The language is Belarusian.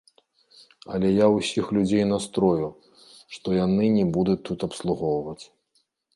Але я ўсіх людзей настрою, што яны не будуць тут абслугоўваць.